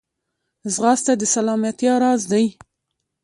ځغاسته د سلامتیا راز دی